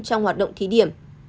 trong hoạt động thí điểm